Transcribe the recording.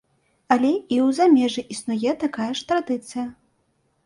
Але і ў замежжы існуе такая ж традыцыя.